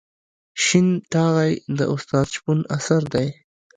شین ټاغی د استاد شپون اثر دی.